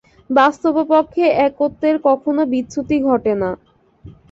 বাস্তবপক্ষে একত্বের কখনও বিচ্যুতি ঘটে না।